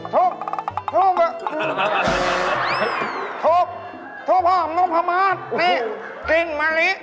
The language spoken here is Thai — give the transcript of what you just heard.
ถูกทุกภาพแบบนั้นถูกพอมนุภมาศนี่ทิ้งมาริ